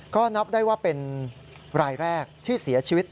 ก็นับได้ว่าเป็นรายแรกที่เสียชีวิต